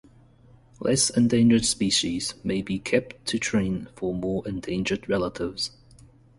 Less-endangered species may be kept to train for more endangered relatives.